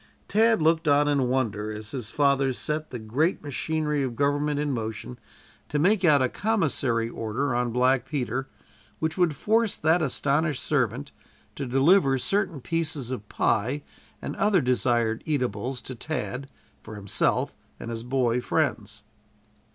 Tad looked on in wonder as his father set the great machinery of government in motion to make out a commissary order on black Peter, which would force that astonished servant to deliver certain pieces of pie and other desired eatables to Tad, for himself and his boy friends.